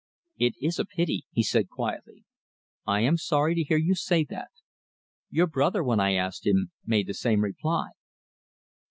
"It is a pity," he said quietly. "I am sorry to hear you say that. Your brother, when I asked him, made the same reply."